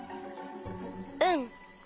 うん。